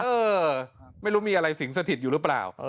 เออไม่รู้มีอะไรสิงสถิตอยู่หรือเปล่า